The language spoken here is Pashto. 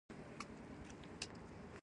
د روم جمهوریت په تاسیس سره.